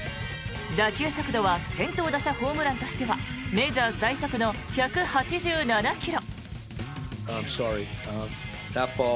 打球速度は先頭打者ホームランとしてはメジャー最速の１８７ｋｍ。